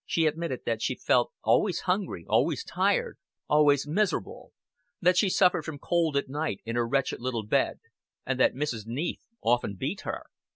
She admitted that she felt always hungry, always tired, always miserable; that she suffered from cold at night in her wretched little bed; and that Mrs. Neath often beat her.